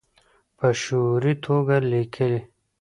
په شعوري توګه لیکي